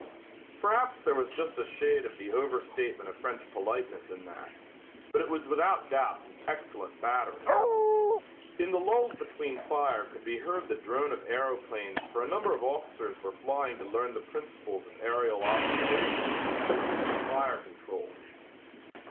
Perhaps there was just a shade of the over statement of French politeness in that, but it was without doubt an excellent battery. In the lulls between fire could be heard the drone of aeroplanes for a number of officers were flying to learn the principles of aerial observation in its uses for fire control.